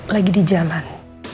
lagi di jalan